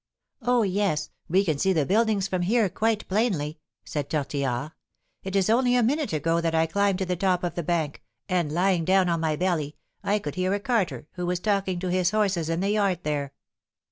"Oh, yes, we can see the buildings from here quite plainly," said Tortillard. "It is only a minute ago that I climbed to the top of the bank, and, lying down on my belly, I could hear a carter who was talking to his horses in the yard there."